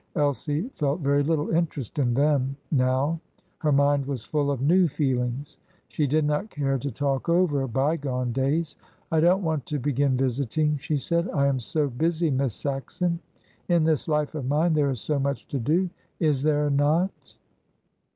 Elsie felt very little interest in them now; her mind was full of new feelings; she did not care to talk over bygone days. "I don't want to begin visiting," she said. "I am so busy, Miss Saxon! In this life of mine there is so much to do is there not?"